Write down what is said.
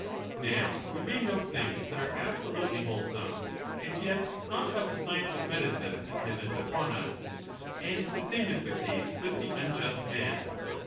Now we may know things that are absolutely wholesome, and yet not have the science of medicine 1199^ attendant upon us ; and the same is the case with the unjust man.